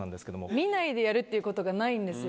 見ないでやるっていうことがないんですよ。